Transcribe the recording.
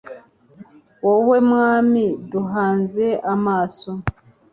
wowe mwami duhanze amaso